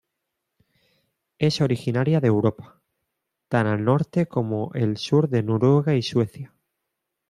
Es originaria de Europa, tan al norte como el sur de Noruega y Suecia.